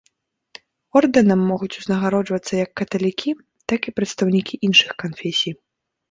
Ордэнам могуць узнагароджвацца як каталікі, так і прадстаўнікі іншых канфесій.